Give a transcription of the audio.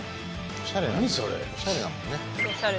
おしゃれだもんね。